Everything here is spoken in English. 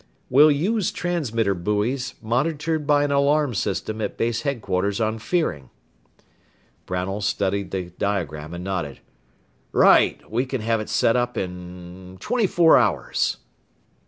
"We'll use transmitter buoys, monitored by an alarm system at base headquarters on Fearing." Brownell studied the diagram and nodded. "Right. We can have it set up in twenty four hours."